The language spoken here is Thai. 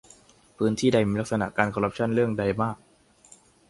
พื้นที่ใดมีลักษณะการคอร์รัปชั่นเรื่องใดมาก